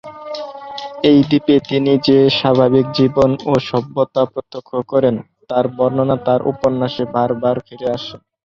এই দ্বীপে তিনি যে স্বাভাবিক জীবন ও সভ্যতা প্রত্যক্ষ করেন, তার বর্ণনা তার উপন্যাসে বার বার ফিরে আসে।